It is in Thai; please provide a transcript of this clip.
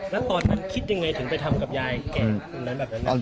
แล้วตอนนั้นคิดยังไงถึงไปทำกับยายแก่คุณละนะ